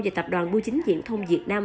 và tạp đoàn bưu chính diễn thông việt nam